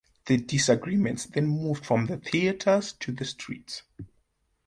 The disagreements then moved from the theatres to the streets.